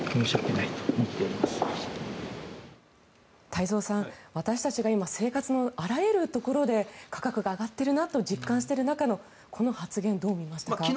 太蔵さん、私たちが今、生活のあらゆるところで価格が上がっているなと実感している中でのこの発言、どう見ましたか。